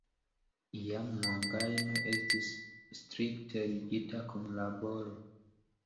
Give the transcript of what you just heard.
Iam mongajno estis strikte ligita kun laboro.